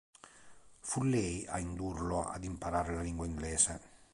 Fu lei a indurlo ad imparare la lingua inglese.